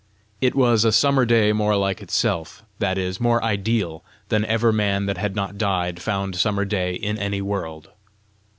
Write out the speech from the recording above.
It was a summer day more like itself, that is, more ideal, than ever man that had not died found summer day in any world.